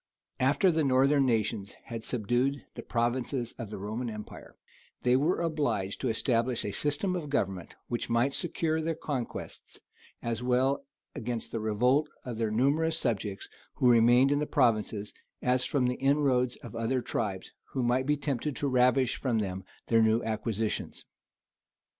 After the northern nations had subdued the provinces of the Roman empire, they were obliged to establish a system of government which might secure their conquests, as well against the revolt of their numerous subjects who remained in the provinces, as from the inroads of other tribes, who might be tempted to ravish from them their new acquisitions.